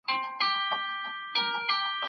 د مظلومانو ږغ تل اوریدل کیده.